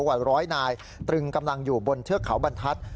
กว่าร้อยนายตรึงกำลังอยู่บนเทือกเขาบรรทัศน์